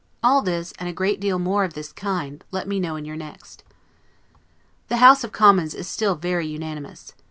All this, and a great deal more of this kind, let me know in your next. The House of Commons is still very unanimous.